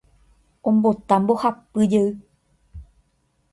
Ombota mbohapy jey